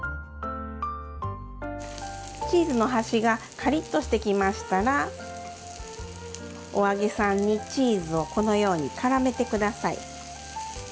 チーズの端がカリッとしてきましたらお揚げさんにチーズをこのようにからめて下さい。